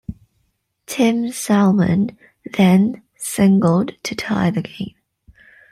Tim Salmon then singled to tie the game.